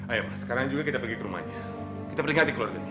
ayo mas sekarang juga kita pergi ke rumahnya kita peringati keluarga